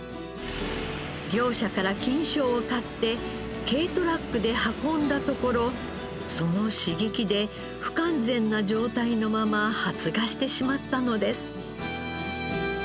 業者から菌床を買って軽トラックで運んだところその刺激で不完全な状態のまま発芽してしまったのです。